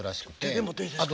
手で持っていいですか？